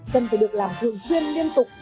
cần phải được làm thường xuyên liên tục